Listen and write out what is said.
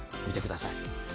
見てください。